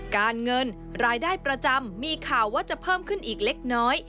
การเงินรายได้ประจำมีข่าวว่าจะเพิ่มขึ้นอีกเล็กน้อย